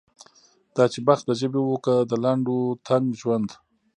دا چې بخت د ژبې و که د لنډ و تنګ ژوند.